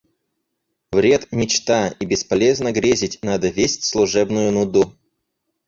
Вред – мечта, и бесполезно грезить, надо весть служебную нуду.